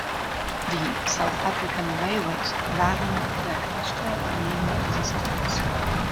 Die South African Railways waren der größte Abnehmer dieses Typs.